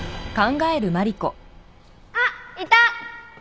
あっいた！